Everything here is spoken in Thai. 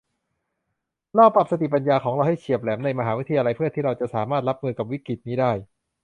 เราปรับสติปัญญาของเราให้เฉียบแหลมในมหาวิทยาลัยเพื่อที่เราจะสามารถรับมือกับวิกฤตินี้ได้